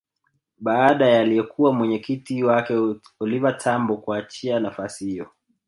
Baada ya aliyekuwa mwenyekiti wake Oliva Tambo kuachia nafasi hiyo